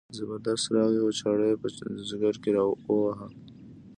زبردست راغی یوه چاړه یې په ځګر کې وواهه.